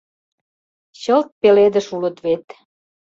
Чылт пеледыш улыт вет!